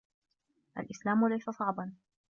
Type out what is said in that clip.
الإسلام ليس صعبا.